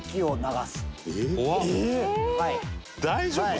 大丈夫？